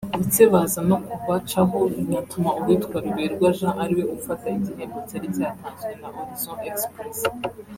ndetse baza no kubacaho binatuma uwitwa Ruberwa Jean ari we ufata igihembo cyari cyatanzwe na Horizon Express